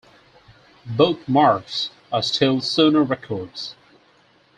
Both marks are still Sooner records.